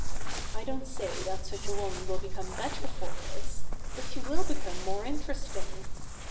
I don't say that such a woman will become better for this, but she will become more interesting.